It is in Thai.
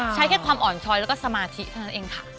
ใช้แค่ความอ่อนช้อยแล้วก็สมาธิเท่านั้นเองค่ะ